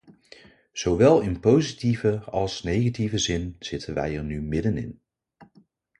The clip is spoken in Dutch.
Zowel in positieve als negatieve zin zitten wij er nu middenin.